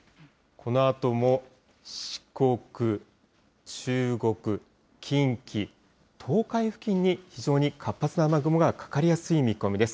このあとも四国、中国、近畿、東海付近に非常に活発な雨雲がかかりやすい見込みです。